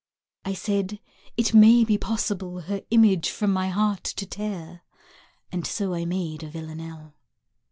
I said: "It may be possible Her image from my heart to tear!" And so I made a Villanelle.